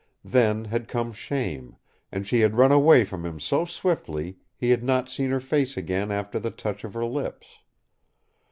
Then had come shame, and she had run away from him so swiftly he had not seen her face again after the touch of her lips.